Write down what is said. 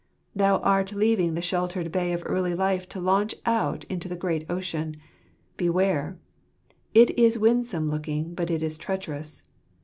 Thou art leaving the sheltered bay of early life to launch out into the great ocean. Beware I it is winsome looking, but it is treacherous.